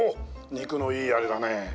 肉のいいあれだね。